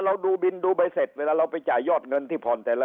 เราดูบินดูใบเสร็จเวลาเราไปจ่ายยอดเงินที่ผ่อนแต่ละ